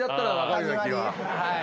はい。